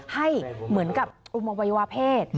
ให้เหมือนกับอุมวัยวะเพศ